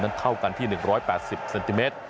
เท่ากันที่๑๘๐เซนติเมตร